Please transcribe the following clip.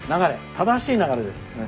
正しい流れです。